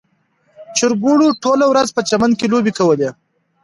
چرګوړو ټوله ورځ په چمن کې لوبې کولې.